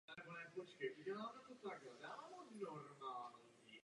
Společně se snažili adoptovat dítě.